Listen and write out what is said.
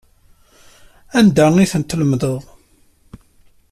Anda ay ten-tlemdeḍ?